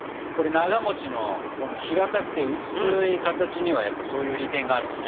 ながのこの平たくて薄い形にはやっぱりそういう利点があるんだね。